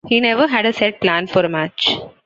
He never had a set plan for a match.